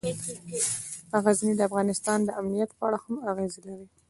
غزني د افغانستان د امنیت په اړه هم اغېز لري.